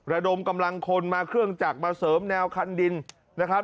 ระดมกำลังคนมาเครื่องจักรมาเสริมแนวคันดินนะครับ